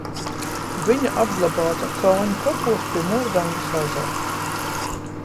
Viņa apglabāta Kāņu kapos pie Mordangas ezera.